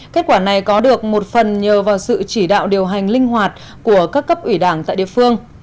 kết quả này có được một phần nhờ vào sự chỉ đạo điều hành linh hoạt của các cấp ủy đảng tại địa phương